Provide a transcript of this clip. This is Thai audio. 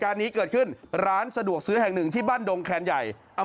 แล้วทีนี้เจ้าก็หันกลับมาจะมากิน